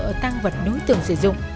ở tăng vật đối tượng sử dụng